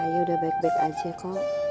ya udah baik baik aja kok